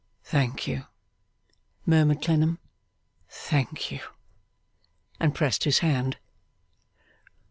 'Thank you!' murmured Clennam, 'thank you!' And pressed his hand.